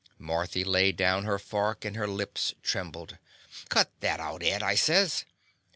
Marthy laid down her fork, and her lips trembled. "Cut that out, Ed," I says.